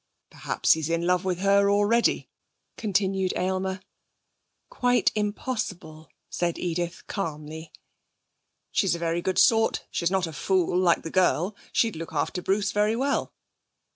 'Perhaps he's in love with her already,' continued Aylmer. 'Quite impossible!' said Edith calmly. 'She's a very good sort. She's not a fool, like the girl. She'd look after Bruce very well.'